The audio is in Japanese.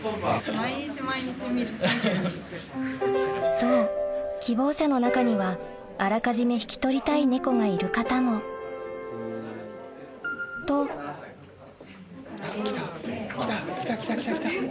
そう希望者の中にはあらかじめ引き取りたいネコがいる方もと来た来た！来た来た来た来た！